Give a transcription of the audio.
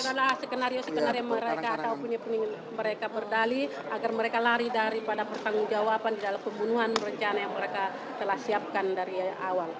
itu adalah skenario skenario mereka ataupun mereka berdali agar mereka lari daripada pertanggung jawaban di dalam pembunuhan berencana yang mereka telah siapkan dari awal